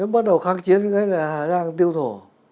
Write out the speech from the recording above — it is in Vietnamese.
bắt đầu kháng chiến với cái là hà giang tiêu thổ